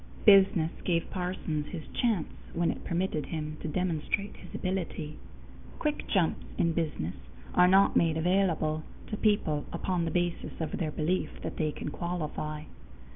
Business gave Parsons his chance when it permitted him to demonstrate his ability. Quick jumps in business are not made available to people upon the basis of their belief that they can qualify.